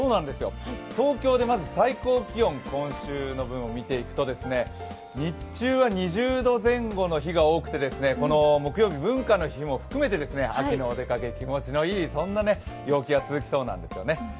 東京で最高気温の今週の分を見ていくと日中は２０度前後の日が多くて、木曜日・文化の日も含めて秋のお出かけ気持ちのいい、そんな陽気が続きそうなんですよね。